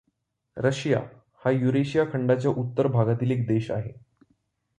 Russia हा Eurasia खंडाच्या उत्तर भागातील एक देश आहे.